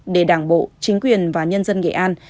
để đảng bộ chính quyền và nhân dân nghệ an